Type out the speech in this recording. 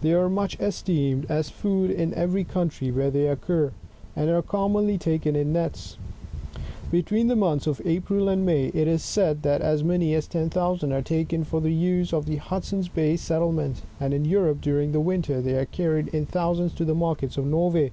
They are much esteemed as food in every country where they occur, and are commonly taken in nets. Between the months of April and May, it is said, that as many as ten thousand are taken for the use of the Hud son's Bay settlement ; and in Europe, during the winter, they are carried in thousands to4he markets of Norway.